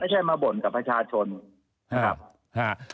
ไม่ใช่มาบ่นกับประชาชนนะครับ